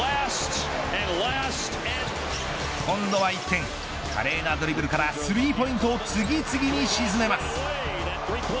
今度は一転華麗なドリブルからスリーポイントを次々に沈めます。